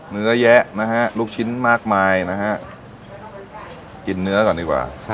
เนื้อแยะนะฮะลูกชิ้นมากมายนะฮะกินเนื้อก่อนดีกว่า